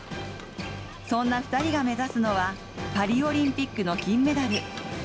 そんな二人が目指すのはパリオリンピックの金メダル。